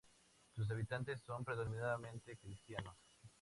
Sus habitantes son predominantemente cristianos.